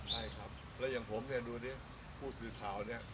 ใช่ครับแล้วอย่างผมเนี่ยดูดิผู้สื่อข่าวเนี่ย